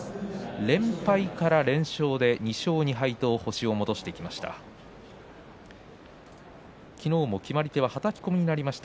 連敗から連勝で２勝２敗と星を戻してきました。